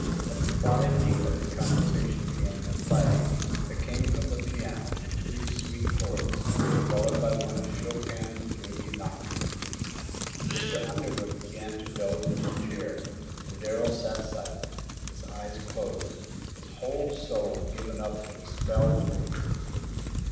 As the twilight deepened and conversation began to flag, there came from the piano a few sweet chords, followed by one of Chopin's dreamy nocturnes. Mr. Underwood began to doze in his chair, and Darrell sat silent, his eyes closed, his whole soul given up to the spell of the music.